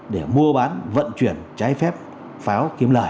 để mua bán vận chuyển trái phép pháo kiếm lời